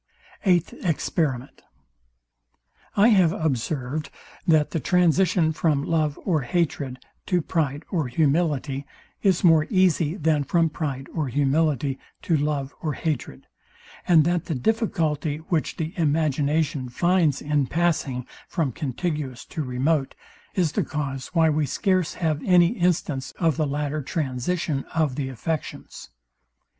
Eighth Experiment. I have observed that the transition from love or hatred to pride or humility, is more easy than from pride or humility to love or hatred; and that the difficulty, which the imagination finds in passing from contiguous to remote, is the cause why we scarce have any instance of the latter transition of the affections.